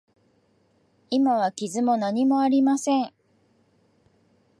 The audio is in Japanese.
今は傷も何もありません。